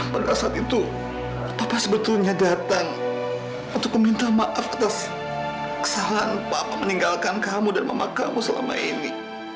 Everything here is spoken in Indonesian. pada saat itu papa sebetulnya datang untuk meminta maaf atas kesalahan papa meninggalkan kamu dan mamakamu selama ini